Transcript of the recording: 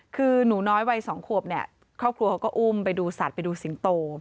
คือหนูน้อยวัย๒ขวบเนี่ยครอบครัวเขาก็อุ้มไปดูสัตว์ไปดูสิงโต